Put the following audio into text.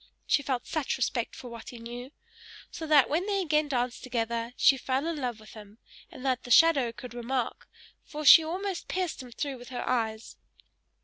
She felt such respect for what he knew! So that when they again danced together she fell in love with him; and that the shadow could remark, for she almost pierced him through with her eyes.